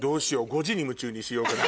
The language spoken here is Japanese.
『５時に夢中！』にしようかな。